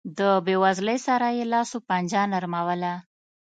له بېوزلۍ سره یې لاس و پنجه نرموله.